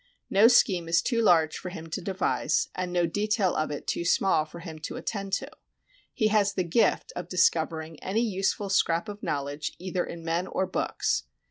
No scheme is too large for him to devise, and no detail of it too small for him to attend to. He has the gift of discovering any useful scrap of knowledge either in men or books.